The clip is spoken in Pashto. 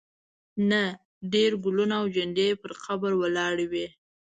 نه ډېر ګلونه او جنډې یې پر قبر ولاړې وې.